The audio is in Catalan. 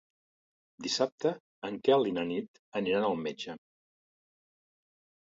Dissabte en Quel i na Nit aniran al metge.